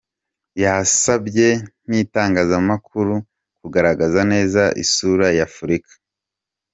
Yasabye n’itangazamakuru kugaragaza neza isura ya Afurika.